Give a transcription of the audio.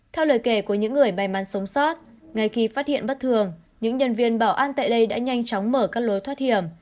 theo lời kể của những người may mắn sống sót ngay khi phát hiện bất thường những nhân viên bảo an tại đây đã nhanh chóng mở các lối thoát hiểm